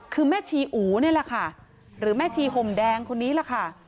คือแม่ชีอู๋นี่แหละค่ะหรือแม่ชีห่มแดงคนนี้แหละค่ะ